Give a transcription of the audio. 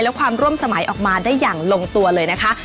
และความร่วมสมัยออกมาได้อย่างลงตัวเลยนะคะ